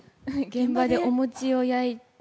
現場でお餅を焼いて。